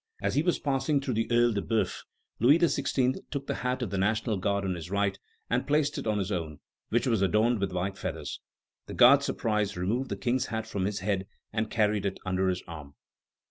As he was passing through the OEil de Boeuf, Louis XVI. took the hat of the National Guard on his right, and replaced it by his own, which was adorned with white feathers. The guard, surprised, removed the King's hat from his head and carried it under his arm.